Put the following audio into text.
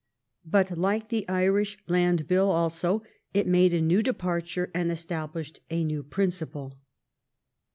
But, like the Irish Land Bill also, it made a new departure and established a new principle.